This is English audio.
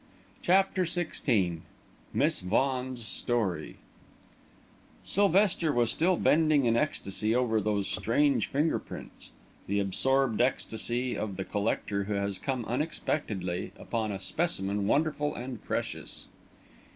CHAPTER XVI MISS VAUGHAN'S STORY Sylvester was still bending in ecstasy over those strange finger prints the absorbed ecstasy of the collector who has come unexpectedly upon a specimen wonderful and precious.